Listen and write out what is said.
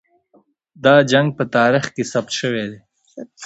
دا جنګ په تاریخ کې ثبت سوی دی.